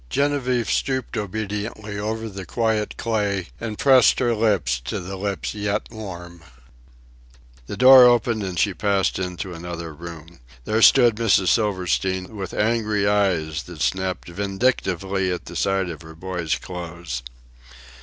Genevieve stooped obediently over the quiet clay and pressed her lips to the lips yet warm. The door opened and she passed into another room. There stood Mrs. Silverstein, with angry eyes that snapped vindictively at sight of her boy's clothes.